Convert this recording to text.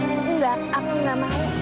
enggak aku gak mau